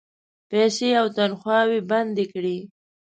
پیسې او تنخواوې بندي کړې.